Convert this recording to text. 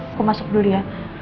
aku masuk dulu ya